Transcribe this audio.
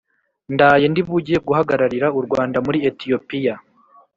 ndaye ndi bujye guhagararira u rwanda muri etiyopiya.